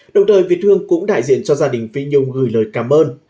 đồng thời việt hương cũng đại diện cho gia đình phi nhung gửi lời cảm ơn